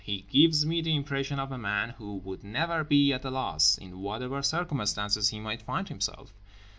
He gives me the impression of a man who would never be at a loss, in whatever circumstances he might find himself.